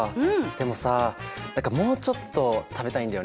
でもさ何かもうちょっと食べたいんだよね。